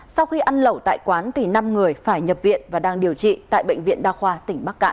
sau khi ăn lẩu tại quán năm người phải nhập viện và đang điều trị tại bệnh viện đa khoa tỉnh bắc cạn